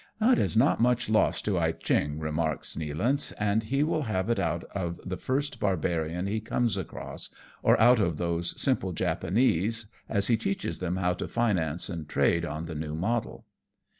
"It is not much loss to Ah Cheong," remarks TO NINGPO. 219 Nealance, " and he will have it out of the first barbarian he comes across, or out of those simple Japanese, as he teaches them how to finance and trade on the new model."